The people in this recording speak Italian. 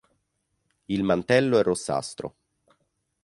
Il mantello è rossastro.